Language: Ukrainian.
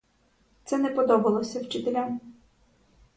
Це не подобалося вчителям.